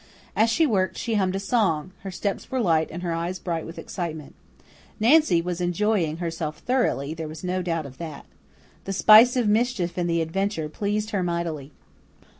As she worked, she hummed a song; her steps were light and her eyes bright with excitement. Nancy was enjoying herself thoroughly, there was no doubt of that. The spice of mischief in the adventure pleased her mightily.